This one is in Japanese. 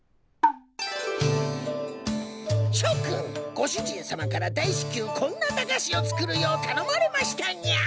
ご主人様から大至急こんな駄菓子を作るようたのまれましたにゃ。